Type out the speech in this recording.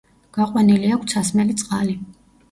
გაყვანილი აქვთ სასმელი წყალი.